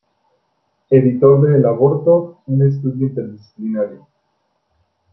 Editor de El aborto: un estudio interdisciplinario.